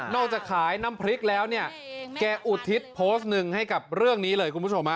จากขายน้ำพริกแล้วเนี่ยแกอุทิศโพสต์หนึ่งให้กับเรื่องนี้เลยคุณผู้ชม